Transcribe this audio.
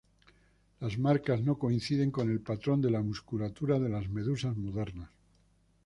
Las marcas no coinciden con el patrón de la musculatura de las medusas modernas.